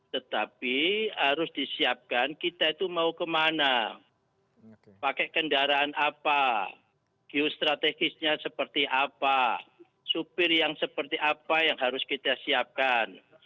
tetapi harus disiapkan kita itu mau kemana pakai kendaraan apa geostrategisnya seperti apa supir yang seperti apa yang harus kita siapkan